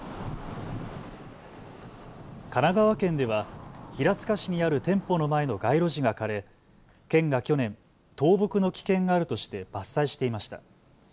神奈川県では平塚市にある店舗の前の街路樹が枯れ県が去年、倒木の危険があるとして伐採していました。